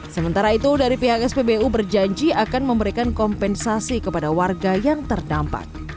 sementara itu dari pihak spbu berjanji akan memberikan kompensasi kepada warga yang terdampak